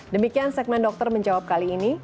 demikian segmen dokter menjawab kali ini